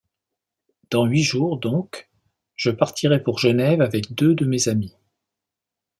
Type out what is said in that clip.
Dans huit jours donc, je partirai pour Genève avec deux de mes amis.